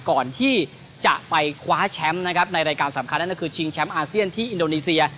ก่อนที่จะไปคว้าแชมป์นะครับในรายการสำคัญนั่นก็คือชิงแชมป์อาเซียนที่อินโดนีเซีย